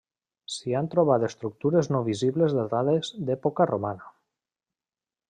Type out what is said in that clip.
S'hi han trobat estructures no visibles datades d'època romana.